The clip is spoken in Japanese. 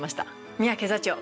三宅座長